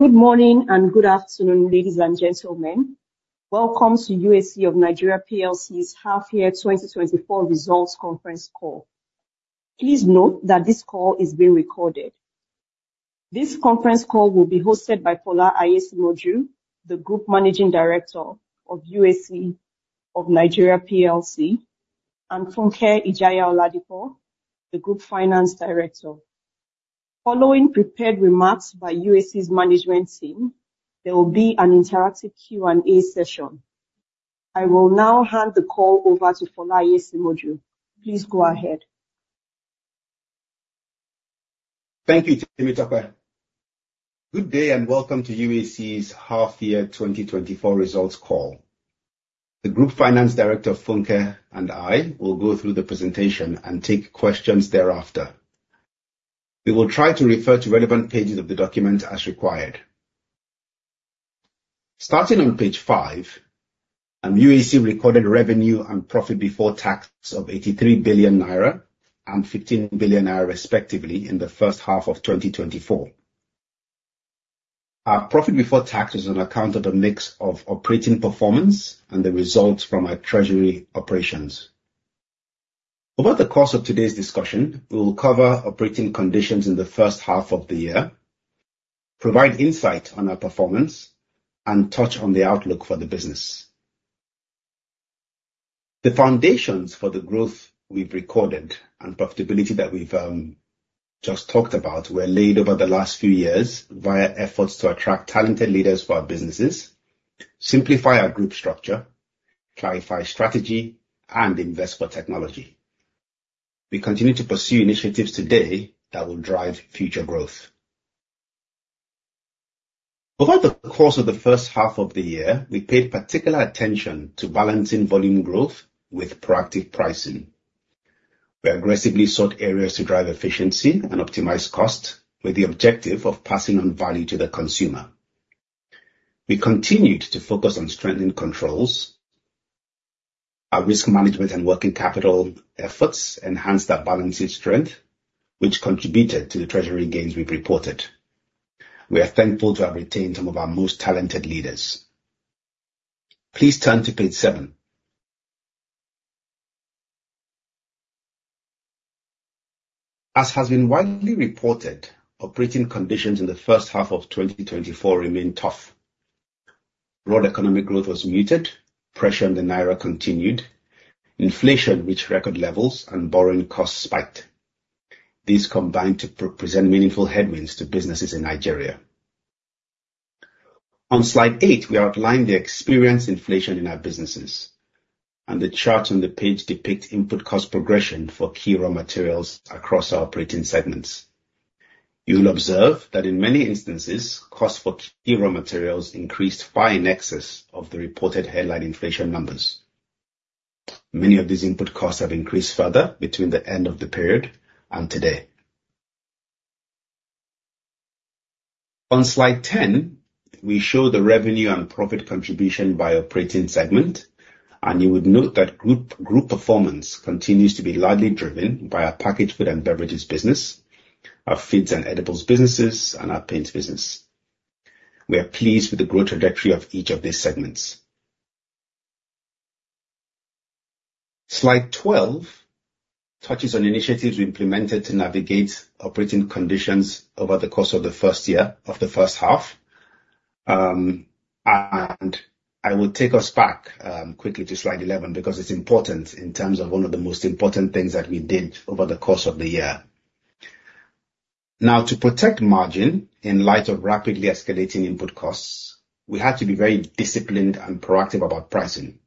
Good morning and good afternoon, ladies and gentlemen. Welcome to UAC of Nigeria PLC's half year 2024 results conference call. Please note that this call is being recorded. This conference call will be hosted by Fola Aiyesimoju, the Group Managing Director of UAC of Nigeria PLC, and Funke Ijaiya-Oladipo, the Group Finance Director. Following prepared remarks by UAC's management team, there will be an interactive Q&A session. I will now hand the call over to Fola Aiyesimoju. Please go ahead. Thank you, Temitope. Good day and welcome to UAC's half year 2024 results call. The Group Finance Director, Funke, and I will go through the presentation and take questions thereafter. We will try to refer to relevant pages of the document as required. Starting on page five, UAC recorded revenue and profit before tax of 83 billion naira and 15 billion naira respectively in the first half of 2024. Our profit before tax is on account of a mix of operating performance and the results from our treasury operations. Over the course of today's discussion, we will cover operating conditions in the first half of the year, provide insight on our performance, and touch on the outlook for the business. The foundations for the growth we've recorded and profitability that we've just talked about were laid over the last few years via efforts to attract talented leaders for our businesses, simplify our group structure, clarify strategy, and invest for technology. We continue to pursue initiatives today that will drive future growth. Over the course of the first half of the year, we paid particular attention to balancing volume growth with proactive pricing. We aggressively sought areas to drive efficiency and optimize cost with the objective of passing on value to the consumer. We continued to focus on strengthening controls. Our risk management and working capital efforts enhanced our balance sheet strength, which contributed to the treasury gains we've reported. We are thankful to have retained some of our most talented leaders. Please turn to page seven. As has been widely reported, operating conditions in the first half of 2024 remain tough. Broad economic growth was muted, pressure on the naira continued, inflation reached record levels, and borrowing costs spiked. These combined to present meaningful headwinds to businesses in Nigeria. On slide eight, we outlined the experienced inflation in our businesses, and the chart on the page depicts input cost progression for key raw materials across our operating segments. You will observe that in many instances, cost for key raw materials increased far in excess of the reported headline inflation numbers. Many of these input costs have increased further between the end of the period and today. On slide 10, we show the revenue and profit contribution by operating segment. You would note that group performance continues to be largely driven by our packaged food and beverages business, our feeds and edibles businesses, and our paints business. We are pleased with the growth trajectory of each of these segments. Slide 12 touches on initiatives we implemented to navigate operating conditions over the course of the first half. I will take us back quickly to slide 11 because it's important in terms of one of the most important things that we did over the course of the year. To protect margin in light of rapidly escalating input costs, we had to be very disciplined and proactive about pricing.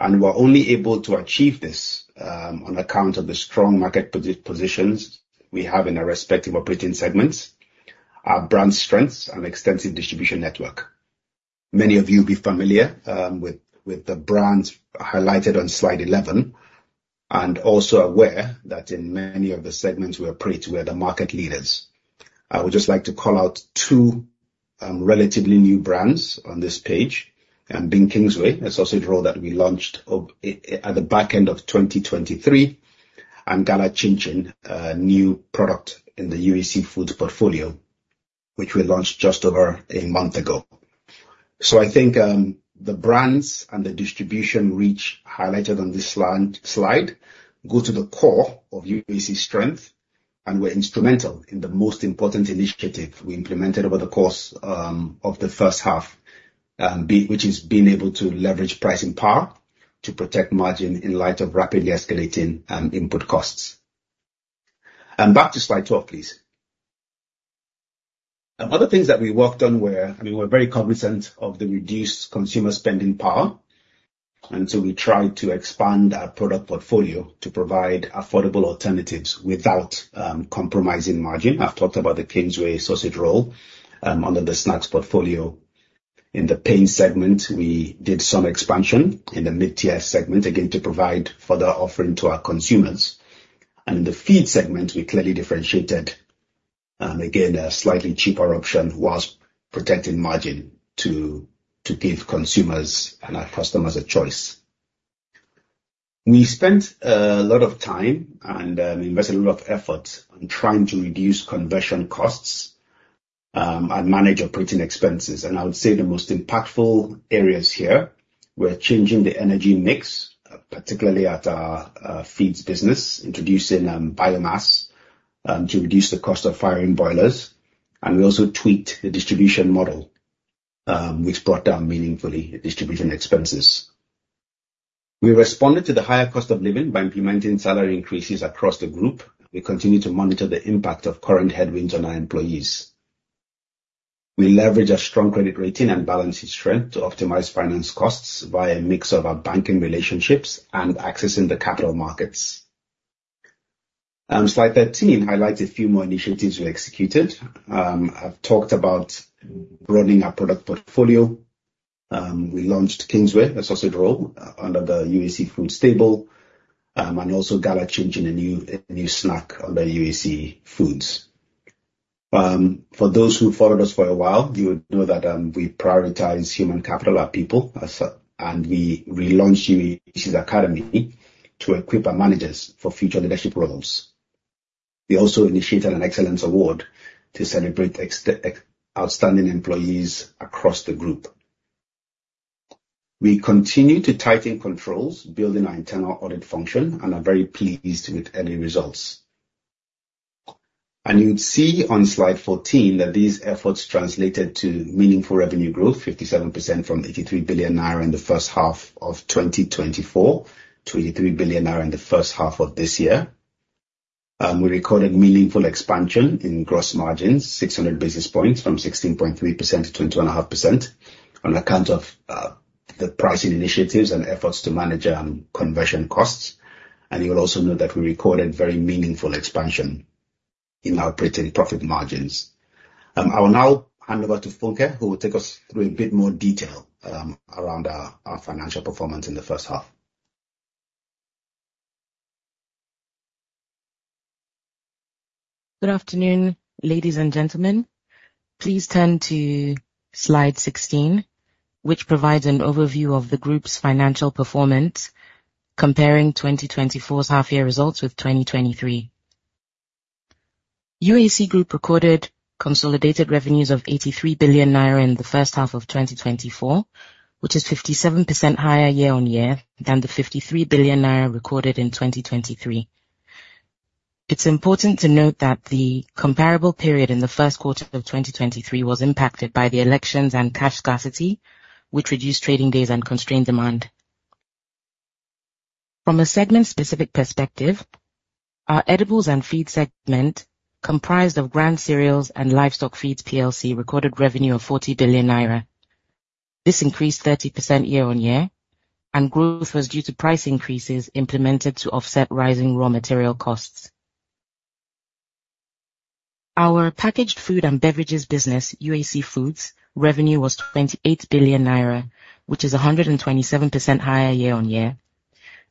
We're only able to achieve this on account of the strong market positions we have in our respective operating segments, our brand strengths, and extensive distribution network. Many of you will be familiar with the brands highlighted on slide 11 and also aware that in many of the segments, we are the market leaders. I would just like to call out two relatively new brands on this page. Being Kingsway, a sausage roll that we launched at the back end of 2023, and Gala Chin Chin, a new product in the UAC Foods portfolio, which we launched just over a month ago. I think the brands and the distribution reach highlighted on this slide go to the core of UAC's strength and were instrumental in the most important initiative we implemented over the course of the first half, which is being able to leverage pricing power to protect margin in light of rapidly escalating input costs. Back to slide 12, please. Other things that we worked on were, we're very cognizant of the reduced consumer spending power, so we tried to expand our product portfolio to provide affordable alternatives without compromising margin. I've talked about the Kingsway Sausage Roll under the snacks portfolio. In the paint segment, we did some expansion in the mid-tier segment, again, to provide further offering to our consumers. In the feed segment, we clearly differentiated, again, a slightly cheaper option whilst protecting margin to give consumers and our customers a choice. We spent a lot of time and we invested a lot of effort on trying to reduce conversion costs, and manage operating expenses. I would say the most impactful areas here were changing the energy mix, particularly at our feeds business, introducing biomass to reduce the cost of firing boilers. We also tweaked the distribution model, which brought down meaningfully distribution expenses. We responded to the higher cost of living by implementing salary increases across the group. We continue to monitor the impact of current headwinds on our employees. We leverage our strong credit rating and balance sheet strength to optimize finance costs by a mix of our banking relationships and accessing the capital markets. Slide 13 highlights a few more initiatives we executed. I've talked about growing our product portfolio. We launched Kingsway, a sausage roll under the UAC Foods stable, and also Gala Chin Chin, a new snack under UAC Foods. For those who followed us for a while, you would know that we prioritize human capital, our people, we relaunched UAC Academy to equip our managers for future leadership roles. We also initiated an excellence award to celebrate outstanding employees across the group. We continue to tighten controls, building our internal audit function, and are very pleased with early results. You would see on slide 14 that these efforts translated to meaningful revenue growth, 57% from 83 billion naira in the first half of 2024, 23 billion naira in the first half of this year. We recorded meaningful expansion in gross margins, 600 basis points from 16.3% to 20.5% on account of the pricing initiatives and efforts to manage conversion costs. You will also note that we recorded very meaningful expansion in our operating profit margins. I will now hand over to Funke, who will take us through a bit more detail around our financial performance in the first half. Good afternoon, ladies and gentlemen. Please turn to slide 16, which provides an overview of the group's financial performance comparing 2024's half-year results with 2023. UAC Group recorded consolidated revenues of 83 billion naira in the first half of 2024, which is 57% higher year-on-year than the 53 billion naira recorded in 2023. It's important to note that the comparable period in the first quarter of 2023 was impacted by the elections and cash scarcity, which reduced trading days and constrained demand. From a segment-specific perspective, our edibles and feed segment, comprised of Grand Cereals and Livestock Feeds PLC, recorded revenue of 40 billion naira. This increased 30% year-on-year, and growth was due to price increases implemented to offset rising raw material costs. Our packaged food and beverages business, UAC Foods, revenue was 28 billion naira, which is 127% higher year-on-year,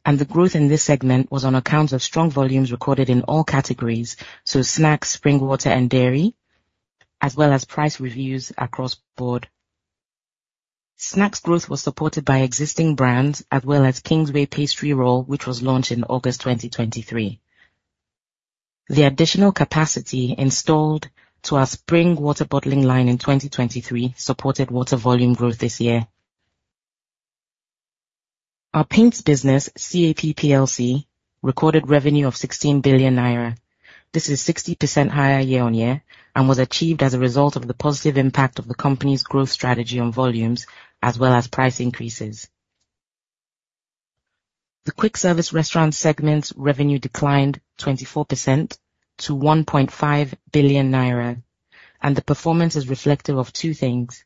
and the growth in this segment was on account of strong volumes recorded in all categories, so snacks, spring water, and dairy, as well as price reviews across board. Snacks growth was supported by existing brands as well as Kingsway Sausage Roll, which was launched in August 2023. The additional capacity installed to our spring water bottling line in 2023 supported water volume growth this year. Our paints business, CAP PLC, recorded revenue of 16 billion naira. This is 60% higher year-on-year and was achieved as a result of the positive impact of the company's growth strategy on volumes, as well as price increases. The quick service restaurant segment revenue declined 24% to 1.5 billion naira, and the performance is reflective of two things.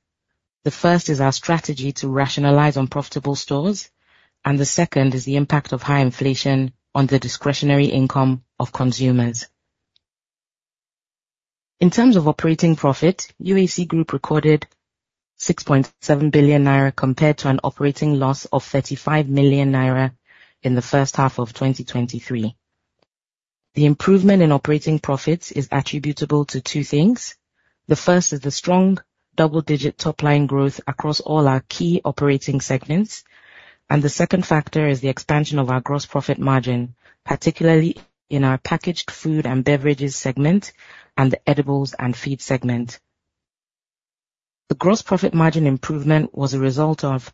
The first is our strategy to rationalize unprofitable stores, the second is the impact of high inflation on the discretionary income of consumers. In terms of operating profit, UAC Group recorded 6.7 billion naira compared to an operating loss of 35 million naira in the first half of 2023. The improvement in operating profits is attributable to two things. The first is the strong double-digit top-line growth across all our key operating segments, the second factor is the expansion of our gross profit margin, particularly in our packaged food and beverages segment and the edibles and feed segment. The gross profit margin improvement was a result of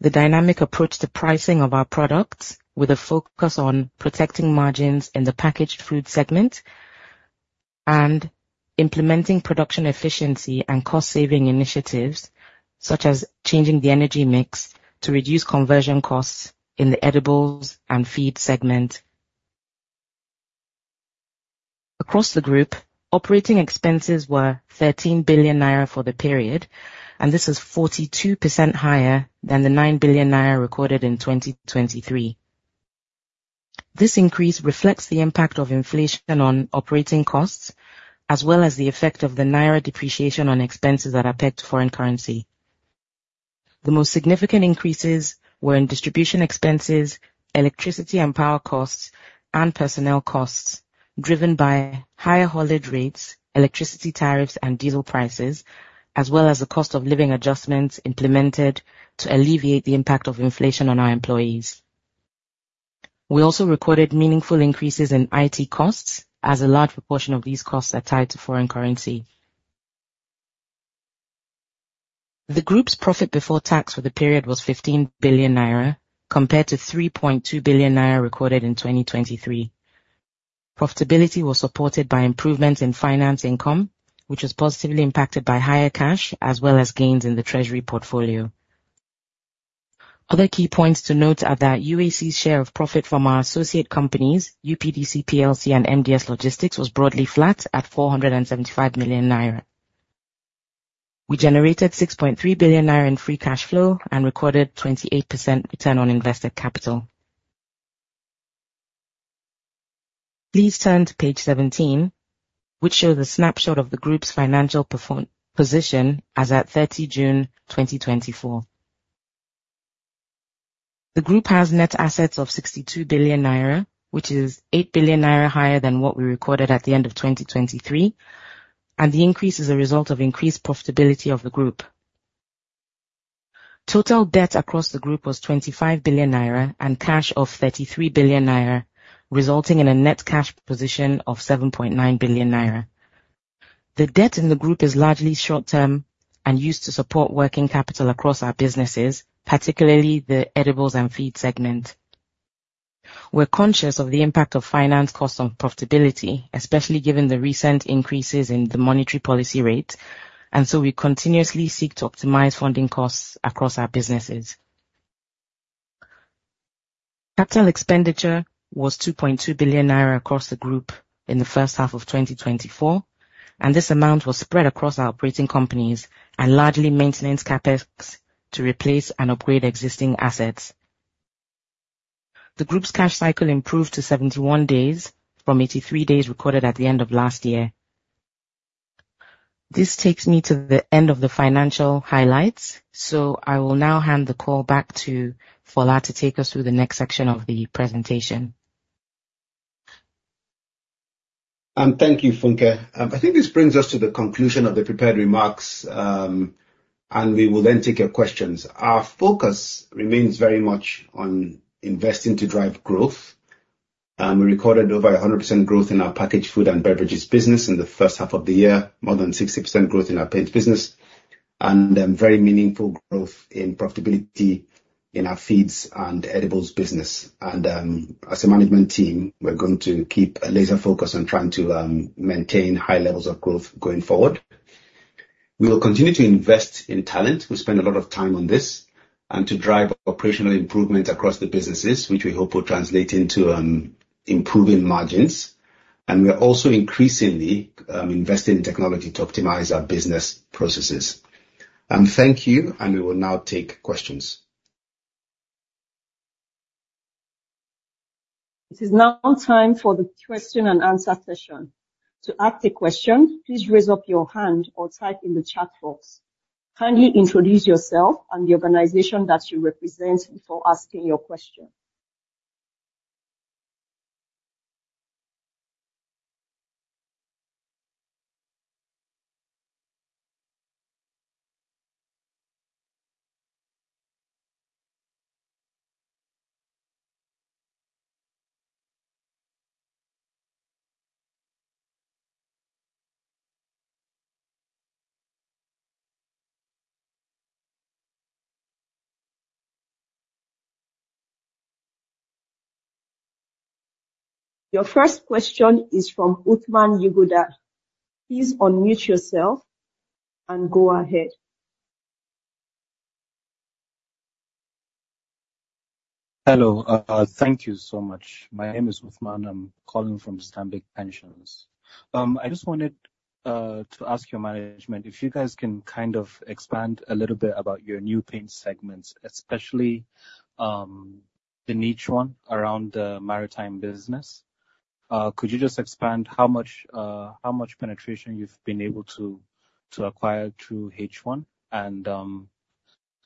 the dynamic approach to pricing of our products, with a focus on protecting margins in the packaged food segment and implementing production efficiency and cost-saving initiatives, such as changing the energy mix to reduce conversion costs in the edibles and feed segment. Across the group, operating expenses were 13 billion naira for the period, this is 42% higher than the 9 billion naira recorded in 2023. This increase reflects the impact of inflation on operating costs, as well as the effect of the naira depreciation on expenses that are pegged to foreign currency. The most significant increases were in distribution expenses, electricity and power costs, and personnel costs. Driven by higher haulage rates, electricity tariffs and diesel prices, as well as the cost of living adjustments implemented to alleviate the impact of inflation on our employees. We also recorded meaningful increases in IT costs as a large proportion of these costs are tied to foreign currency. The group's profit before tax for the period was 15 billion naira, compared to 3.2 billion naira recorded in 2023. Profitability was supported by improvements in finance income, which was positively impacted by higher cash as well as gains in the treasury portfolio. Other key points to note are that UAC's share of profit from our associate companies, UPDC Plc and MDS Logistics, was broadly flat at 475 million naira. We generated 6.3 billion naira in free cash flow and recorded 28% return on invested capital. Please turn to page 17, which shows a snapshot of the group's financial position as at 30 June 2024. The group has net assets of 62 billion naira, which is 8 billion naira higher than what we recorded at the end of 2023, the increase is a result of increased profitability of the group. Total debt across the group was 25 billion naira and cash of 33 billion naira, resulting in a net cash position of 7.9 billion naira. The debt in the group is largely short-term and used to support working capital across our businesses, particularly the edibles and feed segment. We're conscious of the impact of finance costs on profitability, especially given the recent increases in the monetary policy rate, we continuously seek to optimize funding costs across our businesses. Capital expenditure was 2.2 billion naira across the group in the first half of 2024, this amount was spread across our operating companies and largely maintenance CapEx to replace and upgrade existing assets. The group's cash cycle improved to 71 days from 83 days recorded at the end of last year. This takes me to the end of the financial highlights. I will now hand the call back to Fola to take us through the next section of the presentation. Thank you, Funke. I think this brings us to the conclusion of the prepared remarks. We will then take your questions. Our focus remains very much on investing to drive growth. We recorded over 100% growth in our packaged food and beverages business in the first half of the year, more than 60% growth in our paints business, and very meaningful growth in profitability in our feeds and edibles business. As a management team, we're going to keep a laser focus on trying to maintain high levels of growth going forward. We will continue to invest in talent, we spend a lot of time on this, and to drive operational improvement across the businesses, which we hope will translate into improving margins. We are also increasingly investing in technology to optimize our business processes. Thank you. We will now take questions. It is now time for the question and answer session. To ask a question, please raise up your hand or type in the chat box. Kindly introduce yourself and the organization that you represent before asking your question. Your first question is from Uthman Yuguda. Please unmute yourself and go ahead. Hello. Thank you so much. My name is Uthman. I'm calling from Stanbic Pensions. I just wanted to ask your management if you guys can expand a little bit about your new paint segments, especially the niche one around the maritime business. Could you just expand how much penetration you've been able to acquire through H1?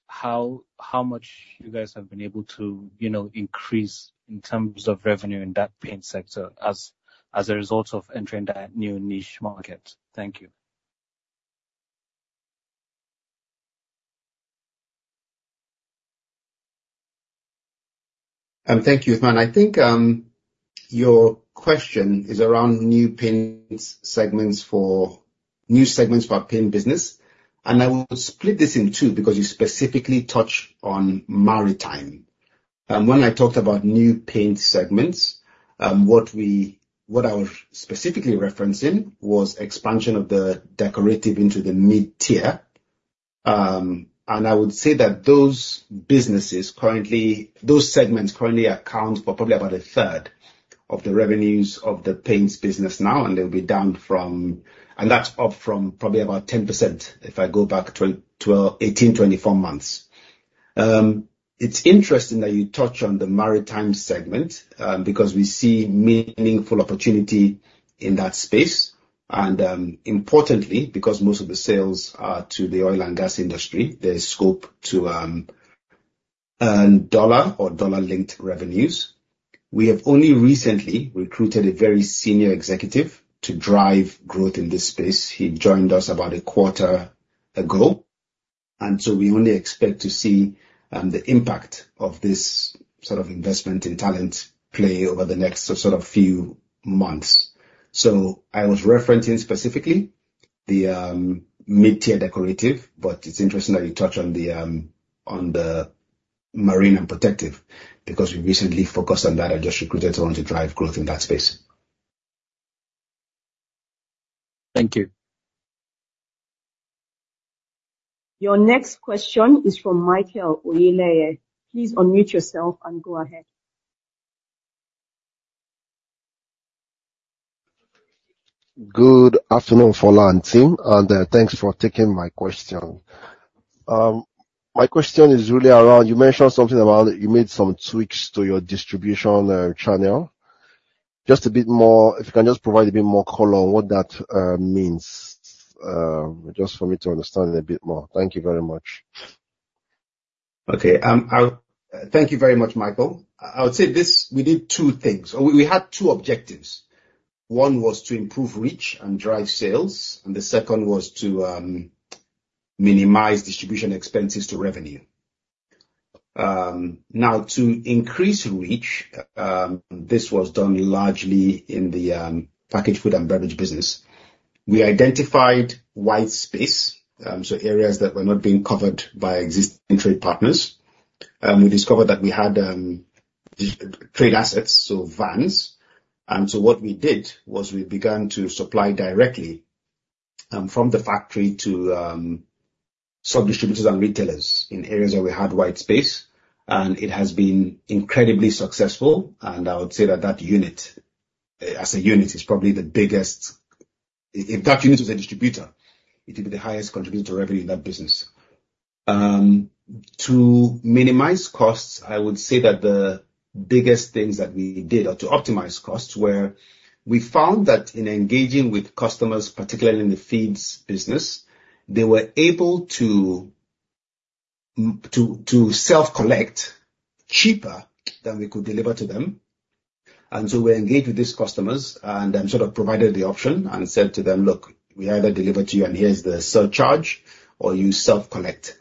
How much you guys have been able to increase in terms of revenue in that paint sector as a result of entering that new niche market? Thank you. Thank you, Uthman. I think your question is around new segments for our paint business. I will split this in two because you specifically touch on maritime. When I talked about new paint segments, what I was specifically referencing was expansion of the decorative into the mid-tier. I would say that those segments currently account for probably about a third of the revenues of the paints business now, and that's up from probably about 10% if I go back 18, 24 months. It's interesting that you touch on the maritime segment, because we see meaningful opportunity in that space. Importantly, because most of the sales are to the oil and gas industry, there's scope to And dollar or dollar-linked revenues. We have only recently recruited a very senior executive to drive growth in this space. He joined us about a quarter ago. We only expect to see the impact of this sort of investment in talent play over the next few months. I was referencing specifically the mid-tier decorative, but it's interesting that you touch on the marine and protective, because we recently focused on that and just recruited someone to drive growth in that space. Thank you. Your next question is from Michael Oyinleye. Please unmute yourself and go ahead. Good afternoon, Fola and team, thanks for taking my question. My question is really around, you mentioned something about you made some tweaks to your distribution channel. If you can just provide a bit more color on what that means, just for me to understand it a bit more. Thank you very much. Thank you very much, Michael. I would say this, we did two things or we had two objectives. One was to improve reach and drive sales, the second was to minimize distribution expenses to revenue. To increase reach, this was done largely in the packaged food and beverage business. We identified wide space, so areas that were not being covered by existing trade partners. We discovered that we had trade assets, so vans. So what we did was we began to supply directly from the factory to sub-distributors and retailers in areas where we had wide space. It has been incredibly successful, and I would say that that unit, as a unit, if that unit was a distributor, it would be the highest contributor to revenue in that business. To minimize costs, I would say that the biggest things that we did, or to optimize costs, were we found that in engaging with customers, particularly in the feeds business, they were able to self-collect cheaper than we could deliver to them. So we engaged with these customers and then provided the option and said to them, "Look, we either deliver to you and here's the surcharge, or you self-collect."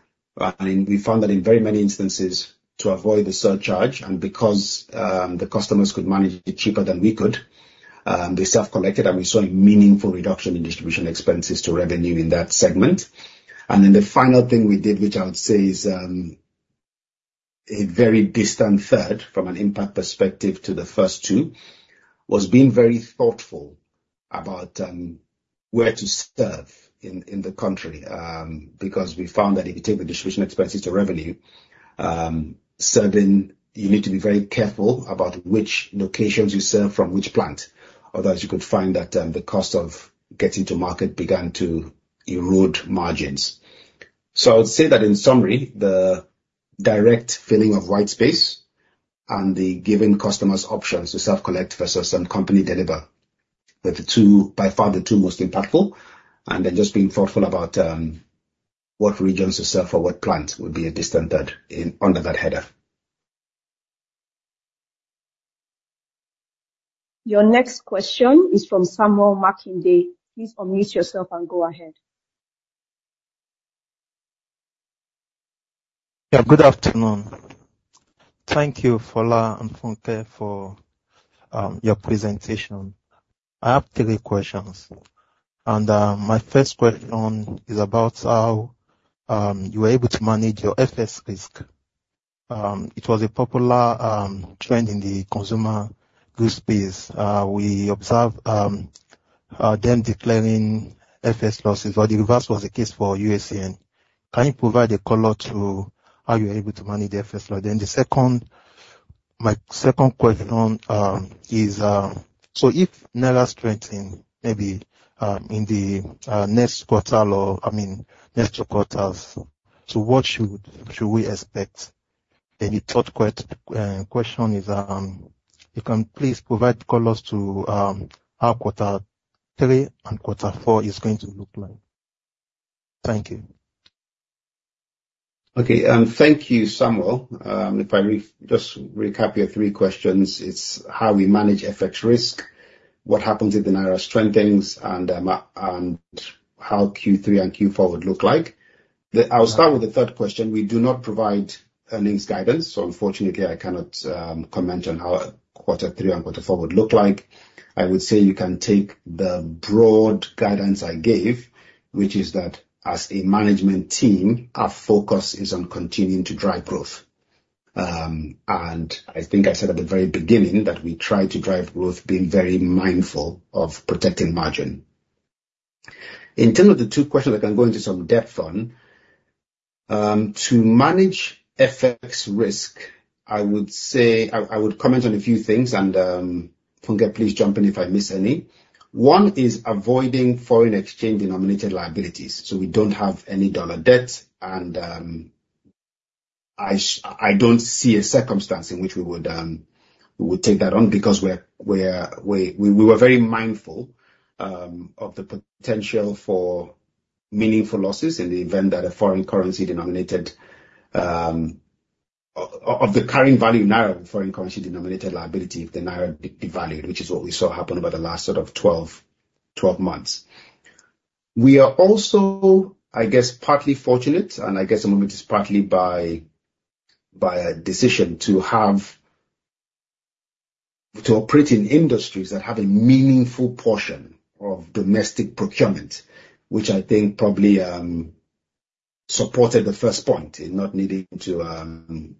We found that in very many instances, to avoid the surcharge, and because the customers could manage it cheaper than we could, they self-collected, and we saw a meaningful reduction in distribution expenses to revenue in that segment. The final thing we did, which I would say is a very distant third from an impact perspective to the first two, was being very thoughtful about where to serve in the country. We found that if you take the distribution expenses to revenue, you need to be very careful about which locations you serve from which plant. Otherwise, you could find that the cost of getting to market began to erode margins. I would say that in summary, the direct filling of white space and the giving customers options to self-collect versus company deliver were by far the two most impactful. Just being thoughtful about what regions to serve for what plant would be a distant third under that header. Your next question is from Samuel Makinde. Please unmute yourself and go ahead. Yeah. Good afternoon. Thank you, Fola and Funke, for your presentation. My first question is about how you were able to manage your FX risk. It was a popular trend in the consumer goods space. We observed them declaring FX losses, but the reverse was the case for UAC. Can you provide the color to how you were able to manage the FX risk? My second question is, if naira strengthen maybe in the next two quarters, what should we expect? The third question is, you can please provide colors to how quarter three and quarter four is going to look like. Thank you. Okay. Thank you, Samuel. If I just recap your three questions, it's how we manage FX risk, what happens if the naira strengthens, and how Q3 and Q4 would look like. I'll start with the third question. We do not provide earnings guidance, unfortunately, I cannot comment on how quarter three and quarter four would look like. I would say you can take the broad guidance I gave, which is that as a management team, our focus is on continuing to drive growth. I think I said at the very beginning that we try to drive growth being very mindful of protecting margin. In terms of the two questions I can go into some depth on, to manage FX risk, I would comment on a few things and, Funke, please jump in if I miss any. One is avoiding foreign exchange denominated liabilities. We don't have any dollar debt, I don't see a circumstance in which we would take that on because we were very mindful of the potential for meaningful losses in the event that a foreign currency denominated of the carrying value in naira of foreign currency denominated liability if the naira devalued, which is what we saw happen over the last sort of 12 months. We are also, I guess, partly fortunate, I guess some of it is partly by a decision to operate in industries that have a meaningful portion of domestic procurement, which I think probably supported the first point in not needing to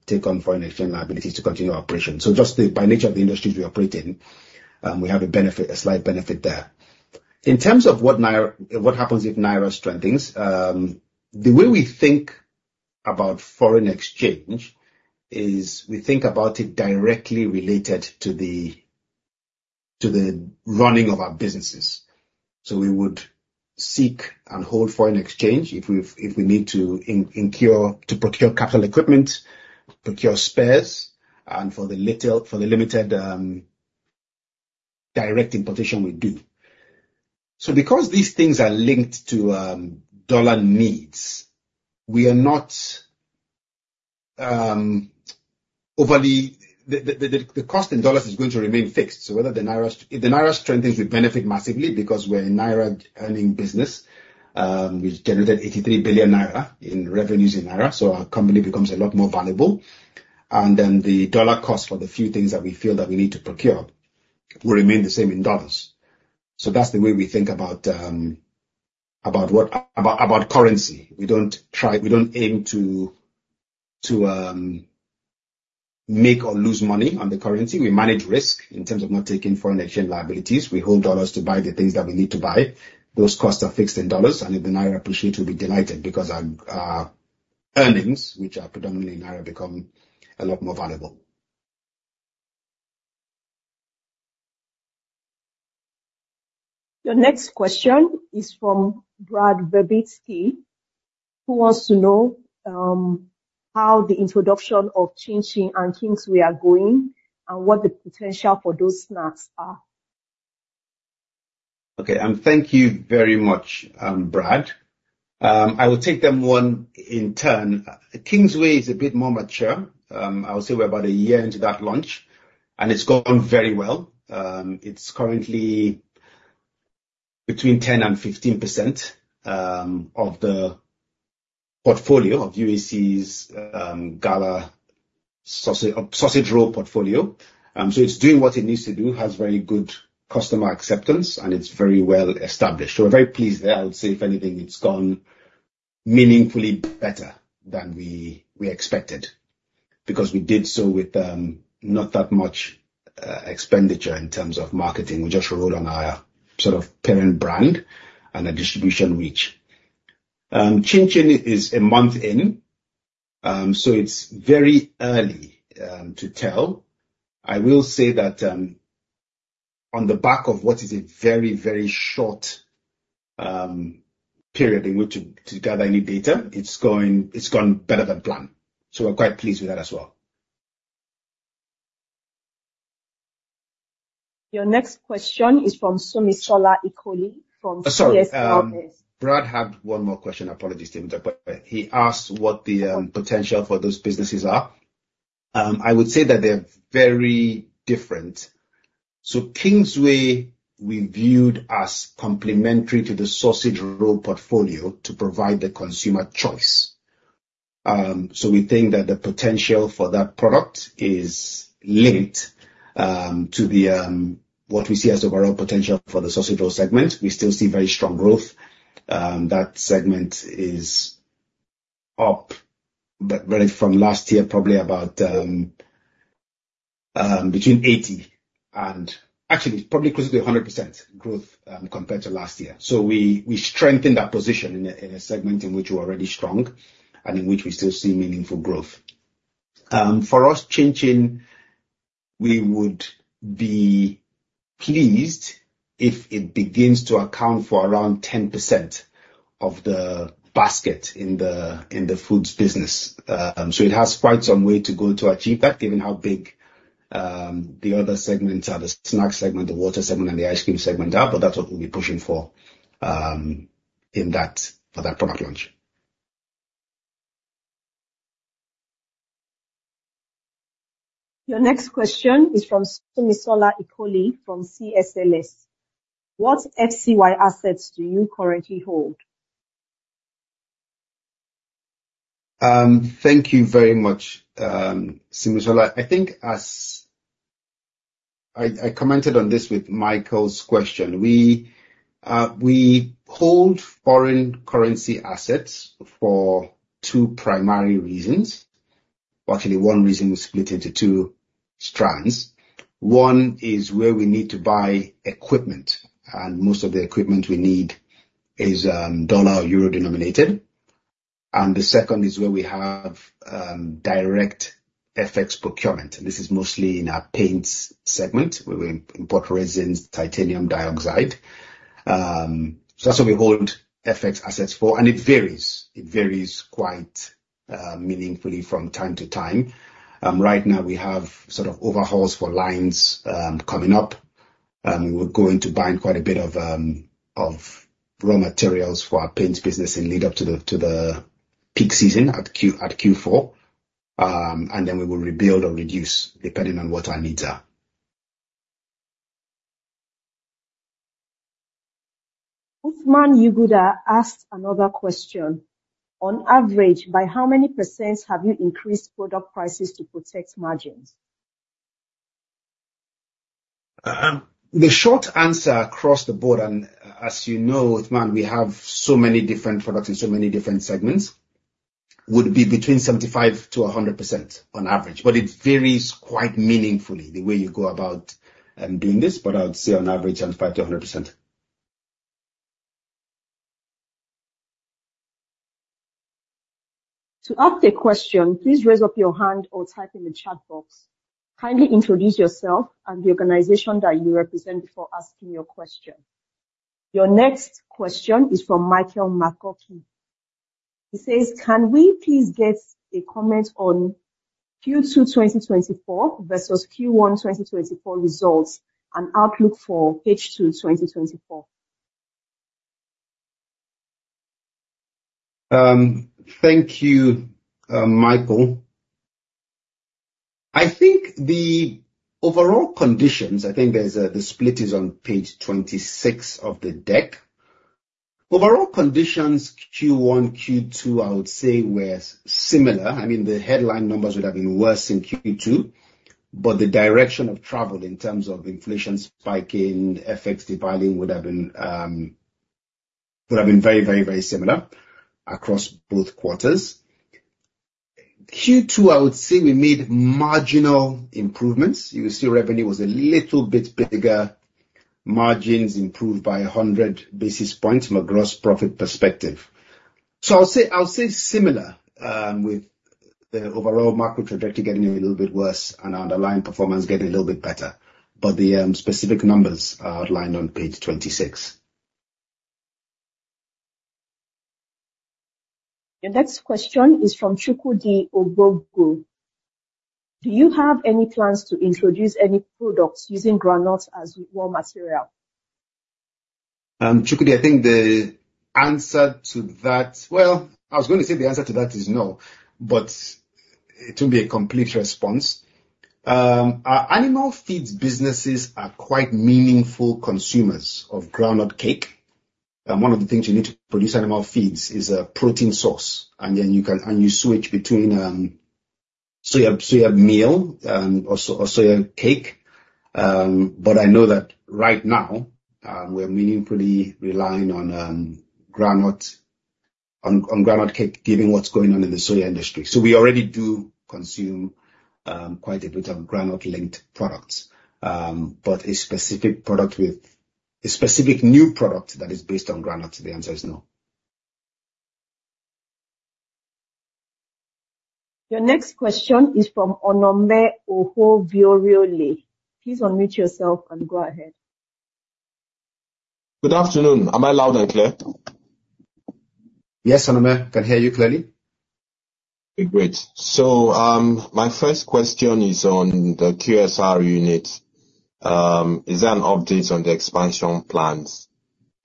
take on foreign exchange liabilities to continue our operations. Just by nature of the industries we operate in, we have a slight benefit there. In terms of what happens if naira strengthens, the way we think about foreign exchange is we think about it directly related to the running of our businesses. We would seek and hold foreign exchange if we need to procure capital equipment, procure spares, and for the limited direct importation we do. Because these things are linked to dollar needs, the cost in dollars is going to remain fixed. If the naira strengthens, we benefit massively because we're a naira earning business. We generate 83 billion naira in revenues in naira, our company becomes a lot more valuable. The dollar cost for the few things that we feel that we need to procure will remain the same in dollars. That's the way we think about currency. We don't aim to make or lose money on the currency. We manage risk in terms of not taking foreign exchange liabilities. We hold dollars to buy the things that we need to buy. Those costs are fixed in dollars, and if the naira appreciates, we'll be delighted because our earnings, which are predominantly naira, become a lot more valuable. Your next question is from David Verbitsky, who wants to know how the introduction of Chin Chin and Kingsway are going and what the potential for those snacks are. Okay. Thank you very much, David. I will take them one in turn. Kingsway is a bit more mature. I would say we're about a year into that launch, and it's gone very well. It's currently between 10% and 15% of the portfolio of UAC's Gala sausage roll portfolio. It's doing what it needs to do, has very good customer acceptance, and it's very well established. We're very pleased there. I would say if anything, it's gone meaningfully better than we expected because we did so with not that much expenditure in terms of marketing. We just rode on our parent brand and a distribution reach. Chin Chin is a month in. It's very early to tell. I will say that on the back of what is a very short period in which to gather any data, it's gone better than planned. We're quite pleased with that as well. Your next question is from Somisola Ikoli from CSL Stockbrokers. Sorry. David had one more question. Apologies to him. He asked what the potential for those businesses are. I would say that they're very different. Kingsway, we viewed as complementary to the sausage roll portfolio to provide the consumer choice. We think that the potential for that product is linked to what we see as the overall potential for the sausage roll segment. We still see very strong growth. That segment is up from last year, probably about actually, it's probably close to 100% growth compared to last year. We strengthened our position in a segment in which we're already strong and in which we still see meaningful growth. For us, Chin Chin, we would be pleased if it begins to account for around 10% of the basket in the foods business. It has quite some way to go to achieve that, given how big the other segments are, the snack segment, the water segment, and the ice cream segment are. That's what we'll be pushing for for that product launch. Your next question is from Somisola Ikoli from CSLS. What FCY assets do you currently hold? Thank you very much, Somisola. I think as I commented on this with Michael's question, we hold foreign currency assets for two primary reasons. Well, actually one reason split into two strands. One is where we need to buy equipment, and most of the equipment we need is dollar or euro denominated. The second is where we have direct FX procurement. This is mostly in our paints segment, where we import resins, titanium dioxide. That's what we hold FX assets for, and it varies quite meaningfully from time to time. Right now we have overhauls for lines coming up. We're going to buy quite a bit of raw materials for our paints business in lead up to the peak season at Q4, and then we will rebuild or reduce depending on what our needs are. Uthman Yuguda asked another question. On average, by how many % have you increased product prices to protect margins? The short answer across the board, as you know, Uthman, we have so many different products in so many different segments, would be between 75%-100% on average. It varies quite meaningfully the way you go about doing this, but I would say on average, 75%-100%. To ask a question, please raise up your hand or type in the chat box. Kindly introduce yourself and the organization that you represent before asking your question. Your next question is from Michael Makoki. He says, "Can we please get a comment on Q2 2024 versus Q1 2024 results and outlook for H2 2024? Thank you, Michael. I think the overall conditions, I think the split is on page 26 of the deck. Overall conditions Q1, Q2, I would say were similar. The headline numbers would have been worse in Q2, but the direction of travel in terms of inflation spiking, FX devaluing would have been very similar across both quarters. Q2, I would say we made marginal improvements. You will see revenue was a little bit bigger. Margins improved by 100 basis points from a gross profit perspective. I'll say similar, with the overall macro trajectory getting a little bit worse and underlying performance getting a little bit better. The specific numbers are outlined on page 26. Your next question is from Chukwudi Ogbonwu. Do you have any plans to introduce any products using groundnut as raw material? Chukwudi, I think the answer to that is no, but it will be a complete response. Our animal feeds businesses are quite meaningful consumers of groundnut cake. One of the things you need to produce animal feeds is a protein source, and you switch between soya meal or soya cake. I know that right now, we're meaningfully relying on groundnut cake, given what's going on in the soya industry. We already do consume quite a bit of groundnut linked products. A specific new product that is based on groundnuts, the answer is no. Your next question is from Onome Ohovioriole. Please unmute yourself and go ahead. Good afternoon. Am I loud and clear? Yes, Onome, can hear you clearly. Great. My first question is on the QSR unit. Is there an update on the expansion plans?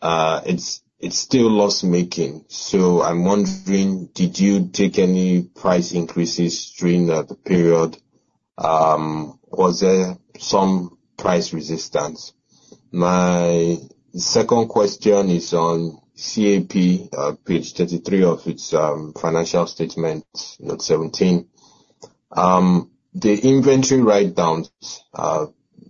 It's still loss-making. I'm wondering, did you take any price increases during that period? Was there some price resistance? My second question is on CAP, page 23 of its financial statement, note 17. The inventory write-downs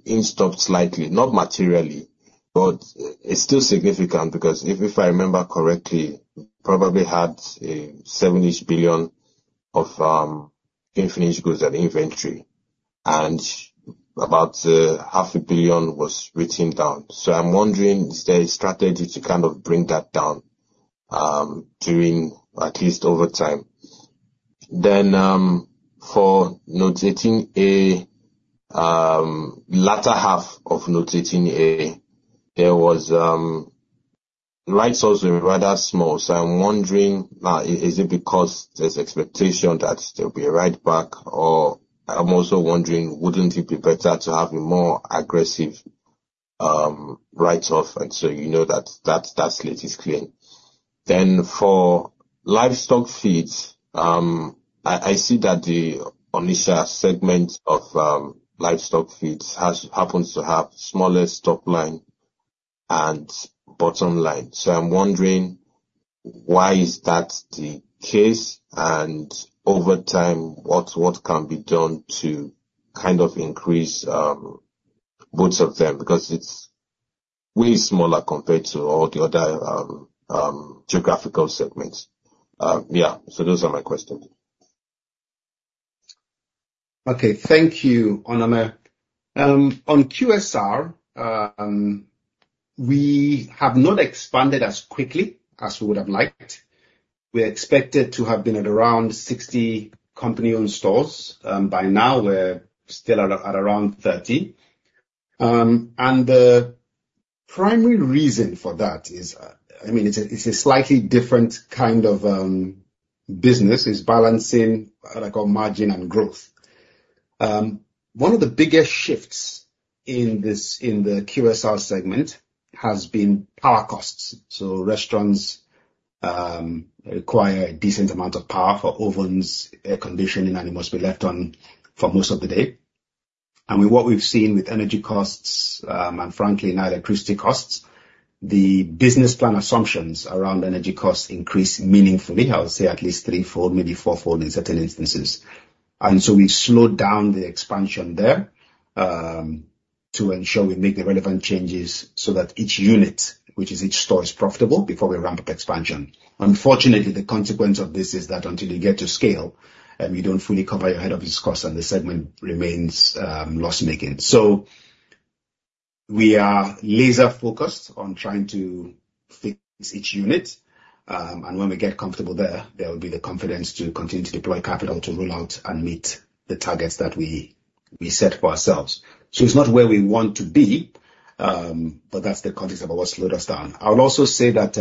in stock slightly, not materially, but it's still significant because if I remember correctly, you probably had a NGN seven-ish billion of finished goods at inventory and about NGN half a billion was written down. I'm wondering, is there a strategy to kind of bring that down, at least over time? For latter half of note 18A, the write-offs were rather small, I'm wondering, is it because there's expectation that there'll be a write back or I'm also wondering, wouldn't it be better to have a more aggressive write-off and you know that that slate is clean. For Livestock Feeds, I see that the Onitsha segment of Livestock Feeds happens to have smallest top line and bottom line. I'm wondering why is that the case and over time, what can be done to increase both of them? Because it's way smaller compared to all the other geographical segments. Yeah. Those are my questions. Okay. Thank you, Onome. On QSR, we have not expanded as quickly as we would have liked. We expected to have been at around 60 company-owned stores. By now, we're still at around 30. The primary reason for that is, it's a slightly different kind of business, is balancing what I call margin and growth. One of the biggest shifts in the QSR segment has been power costs. Restaurants require a decent amount of power for ovens, air conditioning, and it must be left on for most of the day. What we've seen with energy costs, and frankly now electricity costs, the business plan assumptions around energy costs increase meaningfully. I would say at least three-fold, maybe four-fold in certain instances. We've slowed down the expansion there, to ensure we make the relevant changes so that each unit, which is each store, is profitable before we ramp up expansion. Unfortunately, the consequence of this is that until you get to scale, you don't fully cover your head office costs and the segment remains loss-making. We are laser focused on trying to fix each unit. When we get comfortable there will be the confidence to continue to deploy capital to roll out and meet the targets that we set for ourselves. It's not where we want to be, but that's the context of what slowed us down. I would also say that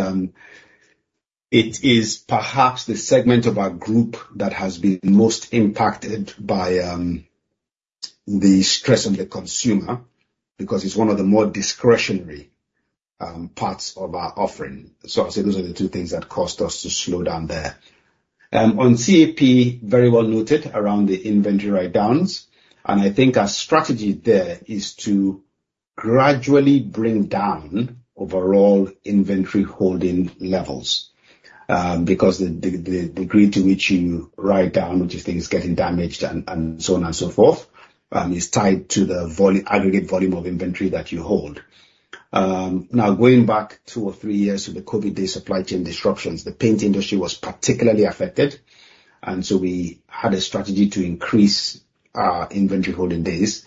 it is perhaps the segment of our group that has been most impacted by the stress on the consumer, because it's one of the more discretionary parts of our offering. Obviously, those are the two things that caused us to slow down there. On CAP, very well noted around the inventory write-downs, I think our strategy there is to gradually bring down overall inventory holding levels. The degree to which you write down, which you think is getting damaged and so on and so forth, is tied to the aggregate volume of inventory that you hold. Going back two or three years to the COVID-day supply chain disruptions, the paint industry was particularly affected, we had a strategy to increase our inventory holding days,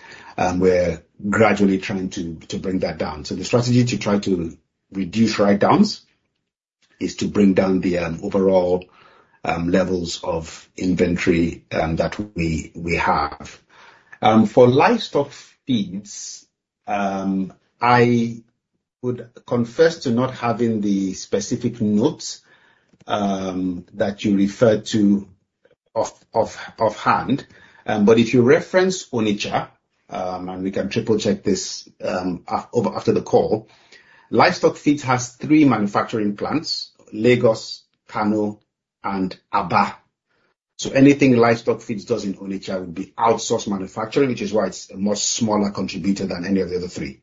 we're gradually trying to bring that down. The strategy to try to reduce write-downs is to bring down the overall levels of inventory that we have. For Livestock Feeds, I would confess to not having the specific notes that you referred to offhand. If you reference Onitsha, and we can triple-check this after the call. Livestock Feeds has three manufacturing plants, Lagos, Kano, and Aba. Anything Livestock Feeds does in Onitsha would be outsourced manufacturing, which is why it's a much smaller contributor than any of the other three.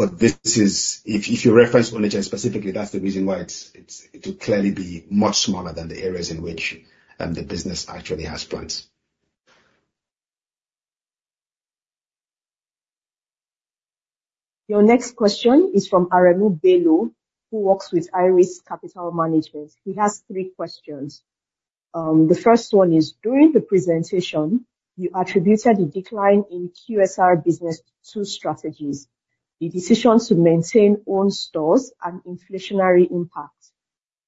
If you reference Onitsha specifically, that's the reason why it will clearly be much smaller than the areas in which the business actually has plants. Your next question is from Aremu Bello, who works with Iris Capital Management. He has three questions. The first one is, during the presentation, you attributed the decline in QSR business to two strategies. The decisions to maintain own stores and inflationary impact.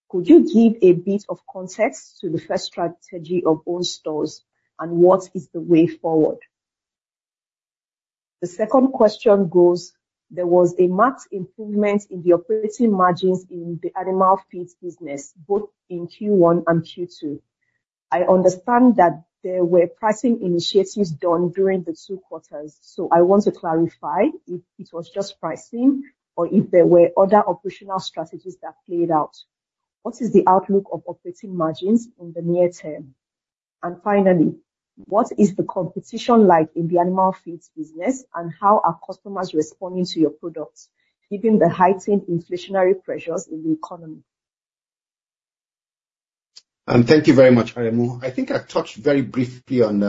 Could you give a bit of context to the first strategy of own stores, and what is the way forward? The second question goes, there was a marked improvement in the operating margins in the animal feeds business, both in Q1 and Q2. I understand that there were pricing initiatives done during the two quarters, so I want to clarify if it was just pricing or if there were other operational strategies that played out. What is the outlook of operating margins in the near term? Finally, what is the competition like in the animal feeds business, and how are customers responding to your products given the heightened inflationary pressures in the economy? Thank you very much, Aremu. I think I touched very briefly on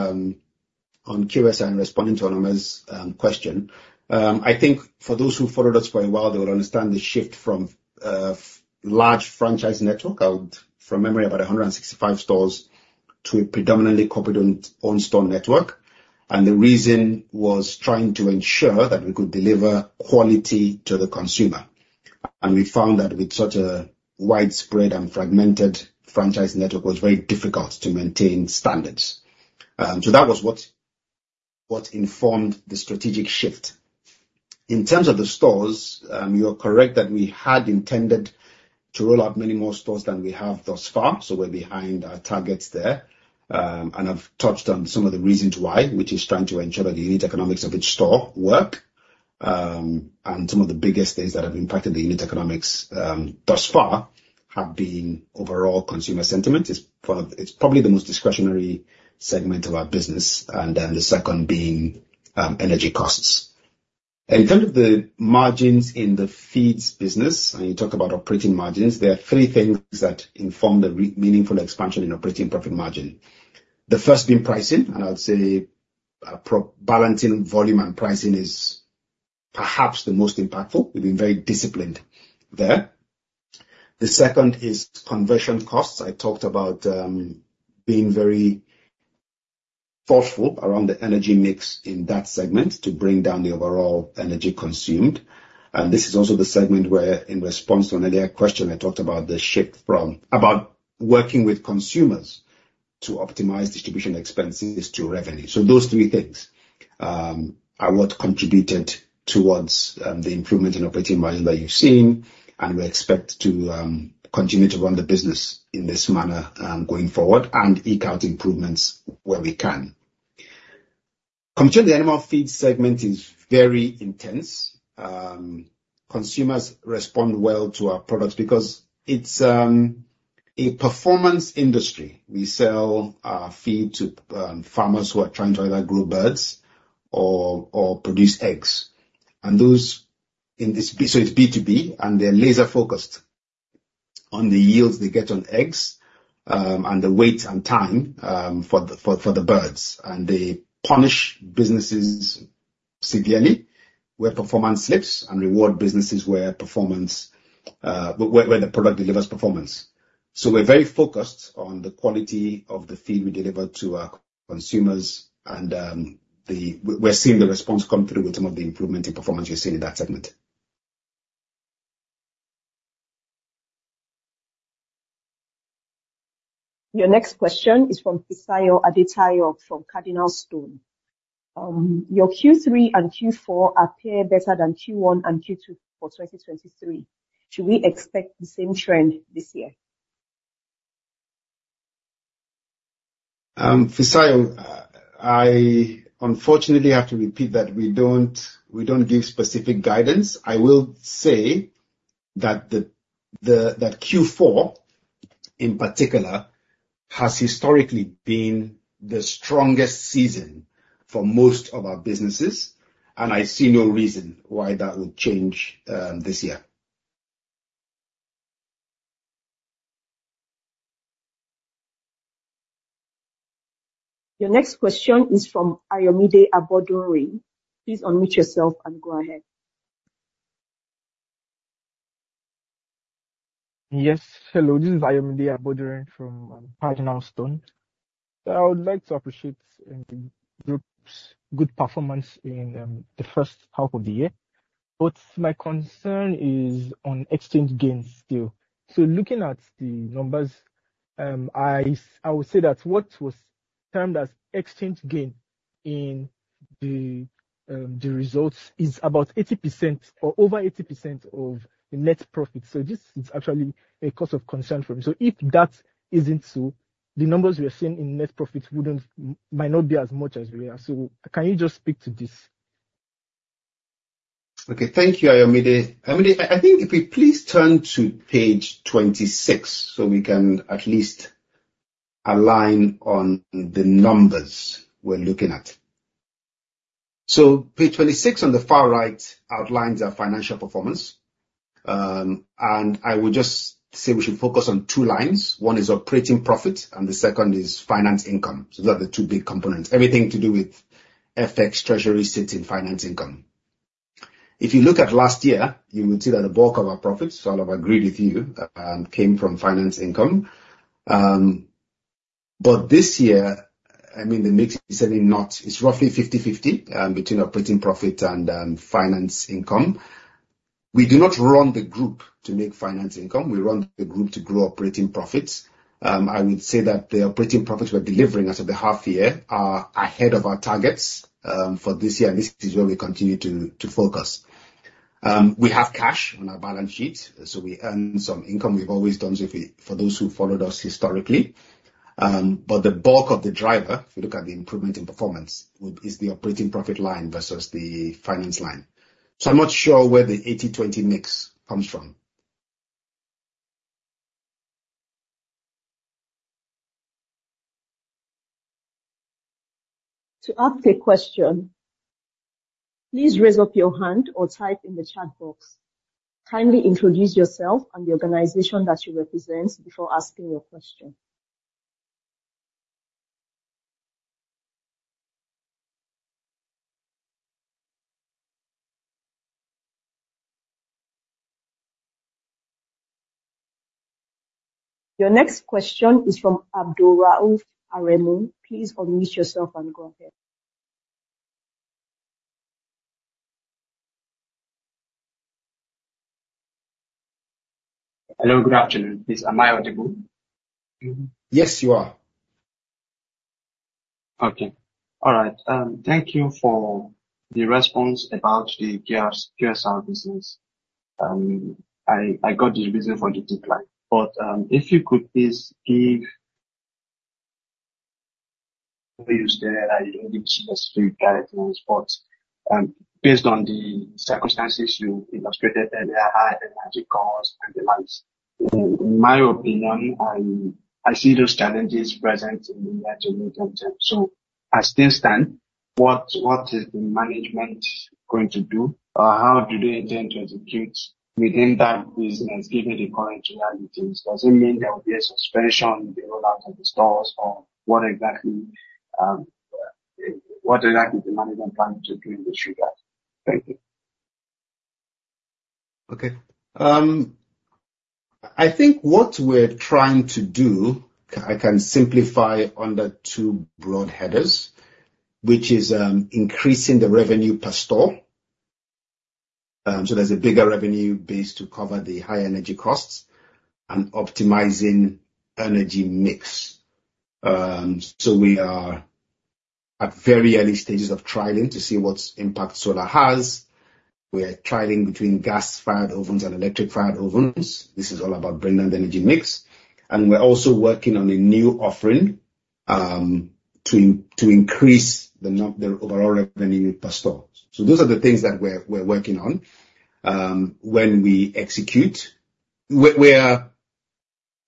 QSR in responding to Onome's question. I think for those who followed us for a while, they will understand the shift from a large franchise network of, from memory, about 165 stores to a predominantly corporate-owned store network. The reason was trying to ensure that we could deliver quality to the consumer. We found that with such a widespread and fragmented franchise network, it was very difficult to maintain standards. That was what informed the strategic shift. In terms of the stores, you are correct that we had intended to roll out many more stores than we have thus far, so we're behind our targets there. I've touched on some of the reasons why, which is trying to ensure that the unit economics of each store work. Some of the biggest things that have impacted the unit economics thus far have been overall consumer sentiment. It's probably the most discretionary segment of our business. The second being energy costs. In terms of the margins in the feeds business, and you talk about operating margins, there are three things that inform the meaningful expansion in operating profit margin. The first being pricing, and I would say balancing volume and pricing is perhaps the most impactful. We've been very disciplined there. The second is conversion costs. I talked about being very thoughtful around the energy mix in that segment to bring down the overall energy consumed. This is also the segment where, in response to an earlier question, I talked about working with consumers to optimize distribution expenses to revenue. Those three things are what contributed towards the improvement in operating margin that you've seen, and we expect to continue to run the business in this manner going forward and eke out improvements where we can. Competition in the animal feed segment is very intense. Consumers respond well to our products because it's a performance industry. We sell our feed to farmers who are trying to either grow birds or produce eggs. It's B2B, and they're laser focused on the yields they get on eggs and the weight and time for the birds. They punish businesses severely where performance slips and reward businesses where the product delivers performance. We're very focused on the quality of the feed we deliver to our consumers, and we're seeing the response come through with some of the improvement in performance you're seeing in that segment. Your next question is from Fisayo Adetayo of CardinalStone. Your Q3 and Q4 appear better than Q1 and Q2 for 2023. Should we expect the same trend this year? Fisayo, I unfortunately have to repeat that we don't give specific guidance. I will say that Q4, in particular, has historically been the strongest season for most of our businesses, and I see no reason why that would change this year. Your next question is from Ayomide Abodunrin. Please unmute yourself and go ahead. Yes. Hello. This is Ayomide Abodunrin from CardinalStone. I would like to appreciate the group's good performance in the first half of the year. My concern is on exchange gains still. Looking at the numbers, I would say that what was termed as exchange gain in the results is about 80% or over 80% of the net profit. This is actually a cause of concern for me. If that isn't so, the numbers we are seeing in net profits might not be as much as we are. Can you just speak to this? Okay. Thank you, Ayomide. Ayomide, I think if we please turn to page 26 we can at least align on the numbers we're looking at. Page 26 on the far right outlines our financial performance. I would just say we should focus on two lines. One is operating profit and the second is finance income. They are the two big components. Everything to do with FX treasury sits in finance income. If you look at last year, you would see that the bulk of our profits, I'll have agreed with you, came from finance income. This year, the mix is roughly 50/50 between operating profit and finance income. We do not run the group to make finance income. We run the group to grow operating profits. I would say that the operating profits we're delivering as of the half year are ahead of our targets for this year, and this is where we continue to focus. We have cash on our balance sheet, we earn some income. We've always done so, for those who followed us historically. The bulk of the driver, if you look at the improvement in performance, is the operating profit line versus the finance line. I'm not sure where the 80/20 mix comes from. To ask a question, please raise up your hand or type in the chat box. Kindly introduce yourself and the organization that you represent before asking your question. Your next question is from Abdulrauf Aremu. Please unmute yourself and go ahead. Hello, good afternoon. Please, am I audible? Yes, you are. Okay. All right. Thank you for the response about the care services. I got the reason for the decline. If you could please. I know you said you don't give specific guidance. Based on the circumstances you illustrated there, the high energy cost and the likes, in my opinion, I see those challenges present in the near to medium-term. As things stand, what is the management going to do? Or how do they intend to execute within that business given the current realities? Does it mean there will be a suspension in the rollout of the stores or what exactly is the management planning to do in this regard? Thank you. Okay. I think what we're trying to do, I can simplify under two broad headers, which is increasing the revenue per store. There's a bigger revenue base to cover the high energy costs and optimizing energy mix. We are at very early stages of trialing to see what impact solar has. We are trialing between gas-fired ovens and electric-fired ovens. This is all about blend and energy mix. We're also working on a new offering to increase the overall revenue per store. Those are the things that we're working on. When we execute, we are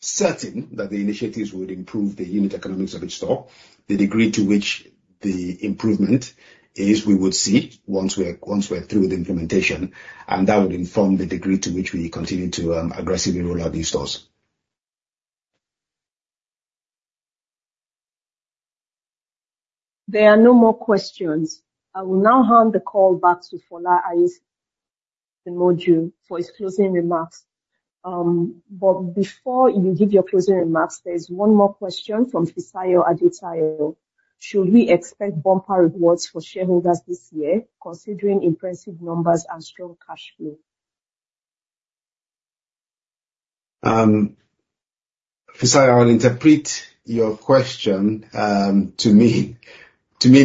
certain that the initiatives would improve the unit economics of each store. The degree to which the improvement is, we would see once we're through with implementation, and that would inform the degree to which we continue to aggressively roll out these stores. There are no more questions. I will now hand the call back to Fola Aiyesimoju for his closing remarks. Before you give your closing remarks, there is one more question from Fisayo Adetayo. Should we expect bumper rewards for shareholders this year, considering impressive numbers and strong cash flow? Fisayo, I'll interpret your question to mean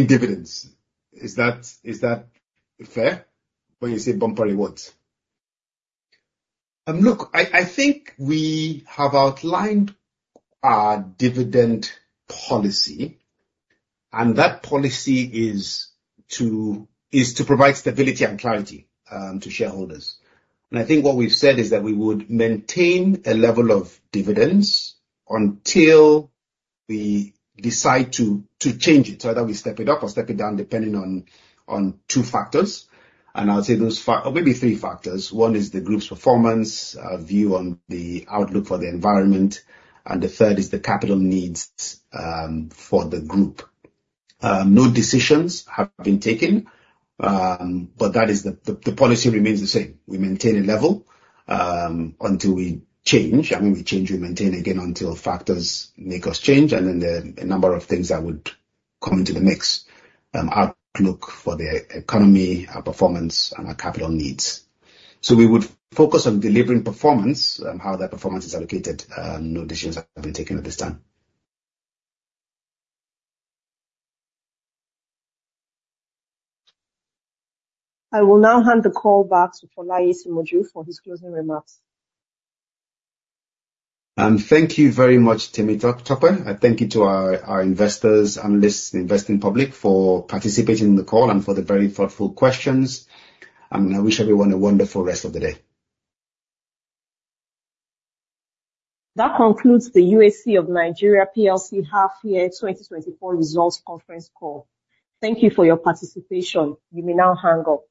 dividends. Is that fair when you say bumper rewards? Look, I think we have outlined our dividend policy, and that policy is to provide stability and clarity to shareholders. I think what we've said is that we would maintain a level of dividends until we decide to change it, so either we step it up or step it down, depending on two factors. Maybe three factors. One is the group's performance, our view on the outlook for the environment, and the third is the capital needs for the group. No decisions have been taken, but the policy remains the same. We maintain a level until we change. When we change, we maintain again until factors make us change, then there are a number of things that would come into the mix, outlook for the economy, our performance, and our capital needs. We would focus on delivering performance. How that performance is allocated, no decisions have been taken at this time. I will now hand the call back to Fola Aiyesimoju for his closing remarks. Thank you very much, Temitope. Thank you to our investors, analysts, investing public for participating in the call and for the very thoughtful questions. I wish everyone a wonderful rest of the day. That concludes the UAC of Nigeria PLC half year 2024 results conference call. Thank you for your participation. You may now hang up.